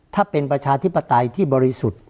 ถ้าเป็นประชาธิปไตยที่บริสุทธิ์